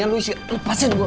mau dukung cinta lanjut